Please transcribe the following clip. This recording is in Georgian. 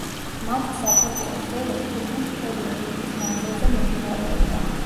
მათი საქორწინო ზეიმი თითქმის მთელი ერთი თვის მანძილზე მიმდინარეობდა.